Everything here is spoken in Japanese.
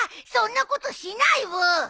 そんなことしないブー。